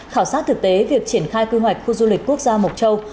khảo sát thực tế việc triển khai quy hoạch khu du lịch quốc gia mộc châu